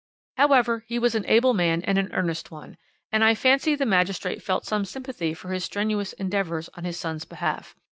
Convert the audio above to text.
"However, he was an able man and an earnest one, and I fancy the magistrate felt some sympathy for his strenuous endeavours on his son's behalf.